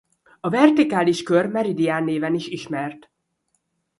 A vertikális kör meridián néven is ismert.